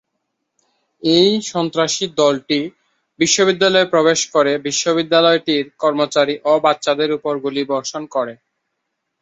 এই সন্ত্রাসী দলটি বিদ্যালয়ে প্রবেশ করে বিদ্যালয়টির কর্মচারী ও বাচ্চাদের উপর গুলিবর্ষণ করে।